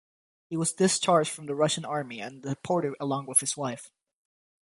He was discharged from the Russian Army and deported along with his wife.